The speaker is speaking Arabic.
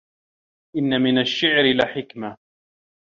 إنَّ مِنْ الشِّعْرِ لَحِكْمَةً